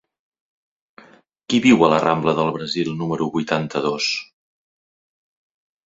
Qui viu a la rambla del Brasil número vuitanta-dos?